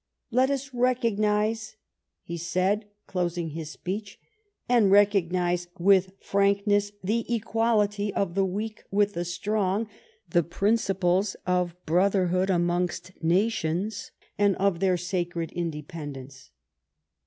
" Let us recognize," he said, closing his speech, " and recognize with frankness, the equality of the weak with the strong, the principles of brother hood amongst nations, and of their sacred indepen dence.